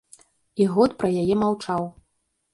І год пра яе маўчаў.